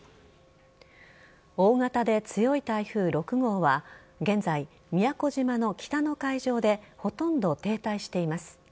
大型で強い台風６号は現在、宮古島の北の海上でほとんど停滞しています。